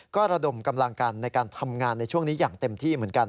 ก็ระดมกำลังกันในการทำงานในช่วงนี้อย่างเต็มที่เหมือนกัน